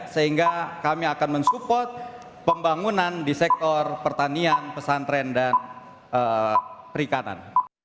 sehingga kami akan mensupport pembangunan di sektor pertanian pesantren dan perikanan